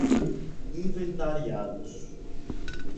inventariados